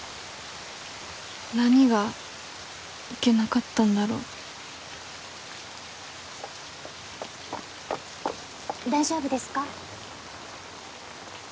何がいけなかったんだろう大丈夫ですか？